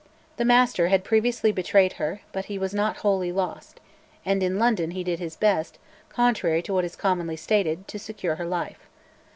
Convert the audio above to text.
The Master had previously betrayed her; but he was not wholly lost, and in London he did his best, contrary to what is commonly stated, to secure her life.